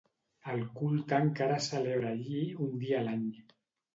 El culte encara es celebra allí un dia a l'any.